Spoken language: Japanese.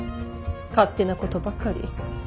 勝手なことばかり。